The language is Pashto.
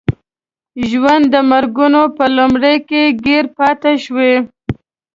ژوند د مرګونو په لومو کې ګیر پاتې شي.